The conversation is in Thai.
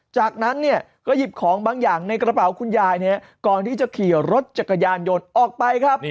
จากนั้นเนี่ยก็หยิบของบางอย่างในกระเป๋าคุณยายก่อนที่จะขี่รถจักรยานยนต์ออกไปครับ